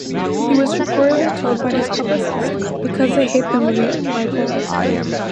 He was reportedly told by his publicist, Because they hate the movie, Michael.